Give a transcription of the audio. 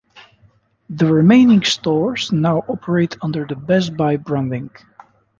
The remaining stores now operate under the Best Buy branding.